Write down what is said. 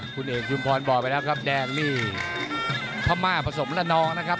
คุณเอกชุมพรบอกไปแล้วครับแดงนี่พม่าผสมละนองนะครับ